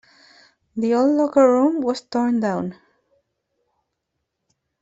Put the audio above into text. The old locker room was torn down.